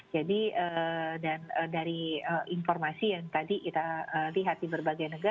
jadi dan dari informasi yang tadi kita lihat di berbagai negara